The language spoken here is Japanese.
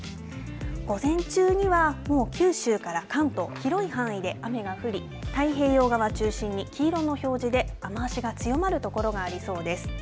午前中には、もう九州から関東広い範囲で雨が降り太平洋側を中心に黄色の表示で雨足が強まる所がありそうです。